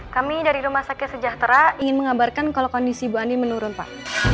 kami dari rumah sakit sejahtera ingin mengabarkan kalau kondisi bu ani menurun pak